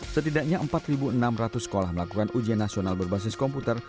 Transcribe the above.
setidaknya empat enam ratus sekolah melakukan ujian nasional berbasis komputer